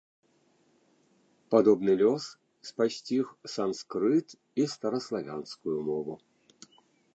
Падобны лёс спасціг санскрыт і стараславянскую мову.